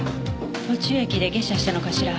途中駅で下車したのかしら？